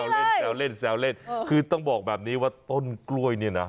เล่นแซวเล่นแซวเล่นคือต้องบอกแบบนี้ว่าต้นกล้วยเนี่ยนะ